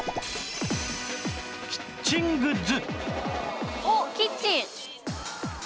キッチングッズ